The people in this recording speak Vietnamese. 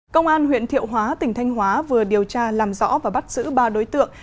công an huyện thiệu hóa tỉnh thanh hóa vừa điều tra làm rõ và bắt giữ ba đối tượng